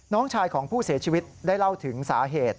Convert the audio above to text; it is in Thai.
น้องชายของผู้เสียชีวิตได้เล่าถึงสาเหตุ